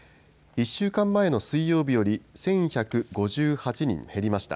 １週間前の水曜日より１１５８人減りました。